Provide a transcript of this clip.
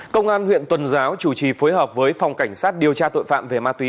công an huyện tuần giáo chủ trì phối hợp với phòng cảnh sát điều tra tội phạm về ma túy